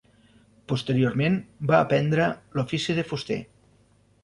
Posteriorment, va aprendre l'ofici de fuster.